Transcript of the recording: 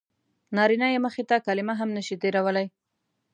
نارینه یې مخې ته کلمه هم نه شي تېرولی.